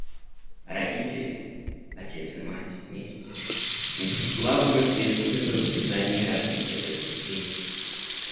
Родители — отец и мать вместе — несут главную ответственность за воспитание и развитие своих детей.